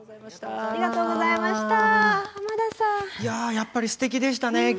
やっぱり、すてきでしたね。